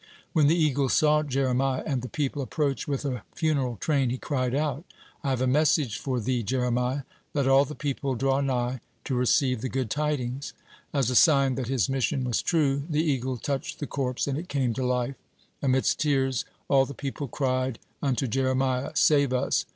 When the eagle saw Jeremiah and the people approach with a funeral train, he cried out: "I have a message for thee, Jeremiah. Let all the people draw nigh to receive the good tidings." As a sign that his mission was true, the eagle touched the corpse, and it came to life. Amidst tears all the people cried unto Jeremiah: "Save us!